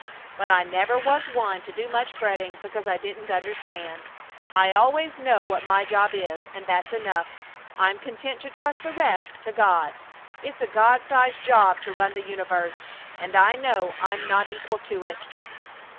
But I never was one to do much fretting because I didn't understand. I always know what my job is, and that's enough. I'm content to trust the rest to God. It's a God size job to run the universe, and I know I'm not equal to it."